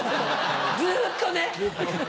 ずっとね。